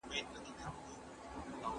آیا غربي کلتور زموږ په ټولنه اغېزه لري؟